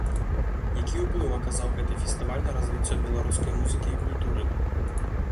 Які ўплыў аказаў гэты фестываль на развіццё беларускай музыкі і культуры?